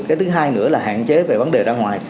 cái thứ hai nữa là hạn chế về vấn đề ra ngoài